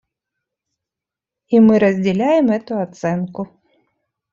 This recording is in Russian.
И мы разделяем эту оценку.